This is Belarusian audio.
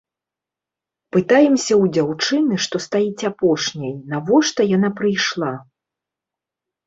Пытаемся ў дзяўчыны, што стаіць апошняй, навошта яна прыйшла.